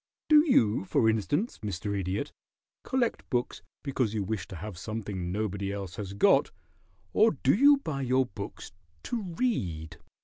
Do you, for instance, Mr. Idiot, collect books because you wish to have something nobody else has got, or do you buy your books to read?"